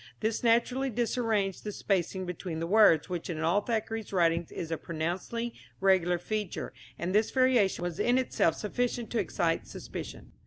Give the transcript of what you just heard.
This naturally disarranged the spacing between the words, which in all Thackeray's writings is a pronouncedly regular feature, and this variation was in itself sufficient to excite suspicion.